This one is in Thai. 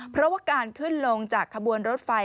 เพราะว่าการขึ้นลงจากขบวนรถไฟ